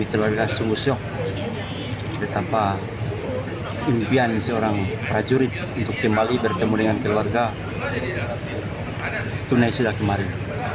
tetapi impian seorang prajurit untuk kembali bertemu dengan keluarga tunai sudah kemarin